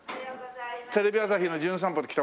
テレビ朝日の『じゅん散歩』で来た